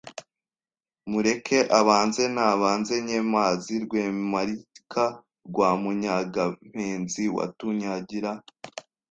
Mureke abanze Nabanze Nyemazi Rwemarika rwa Munyagampenzi Watunyagira